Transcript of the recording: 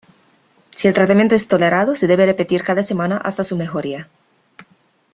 Si el tratamiento es tolerado se debe repetir cada semana hasta su mejoría.